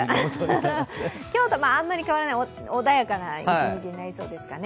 今日とあんまり変わらない穏やかな一日になりそうですかね。